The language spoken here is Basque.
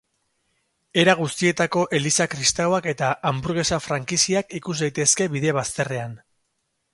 Era guztietako eliza kristauak eta hanburgesa frankiziak ikus daitezke bide bazterrean.